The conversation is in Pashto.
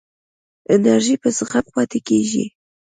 انرژی په زغم پاتې کېږي.